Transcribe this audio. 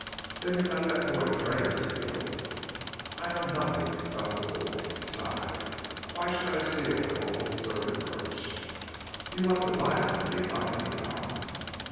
"Then you got that boy Tray to steal it." "I knew nothing about the boy. Besides, why should I steal that opal serpent brooch?" "You wanted to buy it from Beecot, anyhow?"